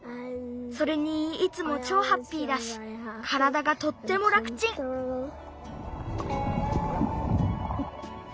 それにいつもちょうハッピーだしからだがとってもらくちん！